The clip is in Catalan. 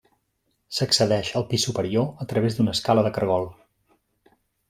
S'accedeix al pis superior a través d'una escala de caragol.